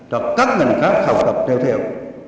cho các ngành khác khảo sát theo theo